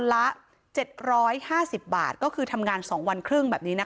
ตำรวจบอกว่าภายในสัปดาห์เนี้ยจะรู้ผลของเครื่องจับเท็จนะคะ